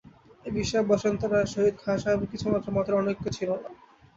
এ-বিষয়ে বসন্ত রায়ের সহিত খাঁ সাহেবের কিছুমাত্র মতের অনৈক্য ছিল না।